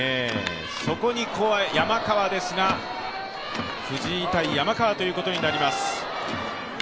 そこへ山川ですが藤井×山川ということになります。